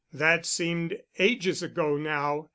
That seemed ages ago now.